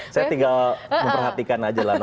saya tinggal memperhatikan aja lah